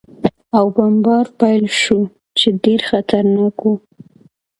او بمبار پېل شو، چې ډېر خطرناک و.